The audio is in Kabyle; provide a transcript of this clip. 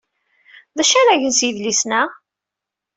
D acu ara gen s yidlisen-a?